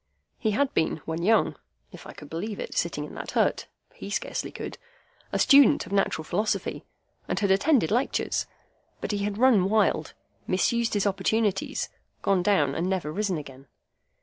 He had been, when young (if I could believe it, sitting in that hut,—he scarcely could), a student of natural philosophy, and had attended lectures; but he had run wild, misused his opportunities, gone down, and never risen again.